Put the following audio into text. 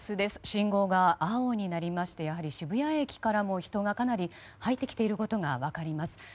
信号が青になりましてやはり渋谷駅からも人がかなり入ってきていることが分かります。